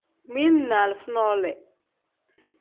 Mili ni alifa nole.